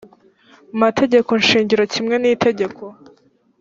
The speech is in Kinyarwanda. mategeko shingiro kimwe n itegeko